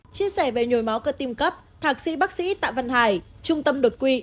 chia sẻ về nhồi máu cơ tim cấp thạc sĩ bác sĩ tạ văn hải trung tâm đột quỵ